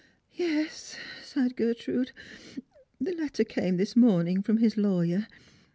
" Yes," sighed Gertrude ;" the letter came this morning from his lawyer.